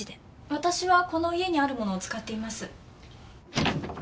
私はこの家にあるものを使っています。